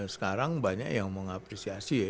sekarang banyak yang mengapresiasi